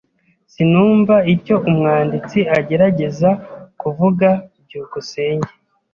Sinumva icyo umwanditsi agerageza kuvuga. byukusenge